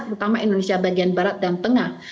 terutama indonesia bagian barat dan tengah